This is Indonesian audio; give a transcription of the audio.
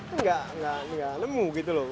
enggak enggak enggak lemuk itu loh